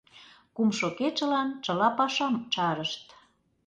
Кумшо кечылан чыла пашам чарышт.